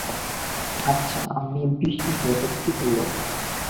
আচ্ছা, আমি বিস্মিত, এটা কি হলো?